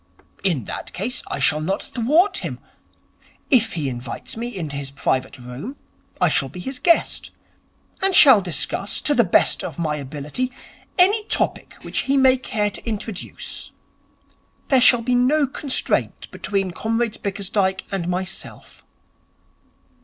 'In that case I shall not thwart him. If he invites me into his private room, I shall be his guest, and shall discuss, to the best of my ability, any topic which he may care to introduce. There shall be no constraint between Comrade Bickersdyke and myself.'